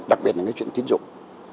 đặc biệt là cái chuyện tiến dụng